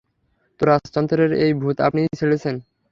তো রাজতন্ত্রের এই ভুত আপনিই ছেড়েছেন।